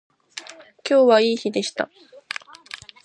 今日はいい日でした